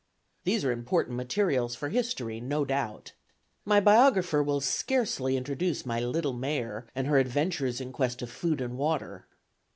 These are important materials for history, no doubt. My biographer will scarcely introduce my little mare and her adventures in quest of food and water.